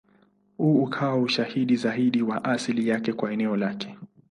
Huu ukawa ushahidi zaidi wa asili yake kuwa eneo lake.